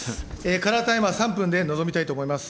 カラータイマー３分で臨みたいと思います。